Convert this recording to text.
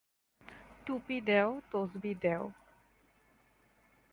টুপি দেও, তসবি দেও!